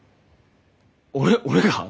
俺俺が？